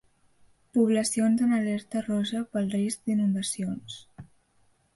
Poblacions en alerta roja pel risc d'inundacions.